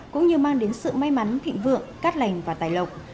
cũng như mang đến sự may mắn thịnh vượng cát lành và tài lộc